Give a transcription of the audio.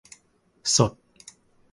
สด